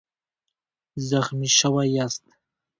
زخمي شوی یاست؟